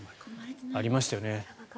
ありましたよね。